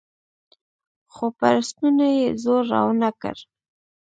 خو پر ستوني يې زور راونه کړ.